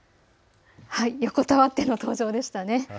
横たわっての登場でしたね。